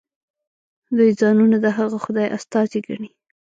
دوی ځانونه د هغه خدای استازي ګڼي.